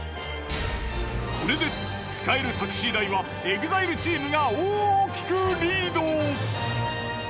これで使えるタクシー代はＥＸＩＬＥチームが大きくリード。